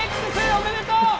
おめでとう！